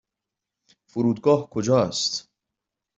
فرودگاه کجا است؟